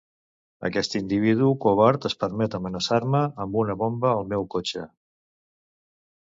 Aquest individu covard es permet amenaçar-me amb una bomba al meu cotxe.